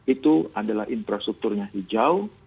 itu adalah infrastrukturnya hijau